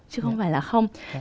chứ không phải là không